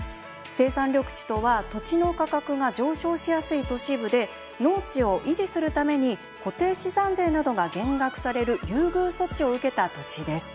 生産緑地とは土地の価格が上昇しやすい都市部で農地を維持するために固定資産税などが減額される優遇措置を受けた土地です。